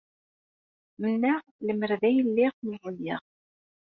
Mennaɣ lemmer d ay lliɣ meẓẓiyeɣ.